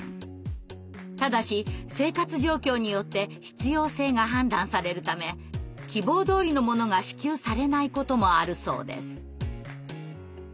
ただし生活状況によって必要性が判断されるため希望どおりのものが支給されないこともあるそうです。